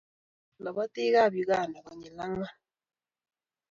kobelis lobotikab Uganda konyil ang'wan.